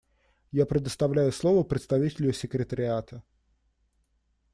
Я предоставляю слово представителю Секретариата.